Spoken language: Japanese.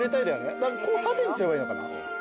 こう縦にすればいいのかな。